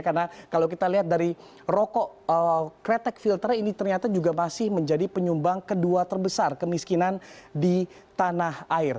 karena kalau kita lihat dari rokok kretek filter ini ternyata juga masih menjadi penyumbang kedua terbesar kemiskinan di tanah air